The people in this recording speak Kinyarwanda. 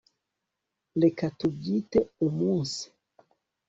Reka tubyite umunsi